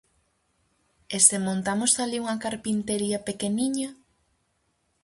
E se montamos alí unha carpintería pequeniña?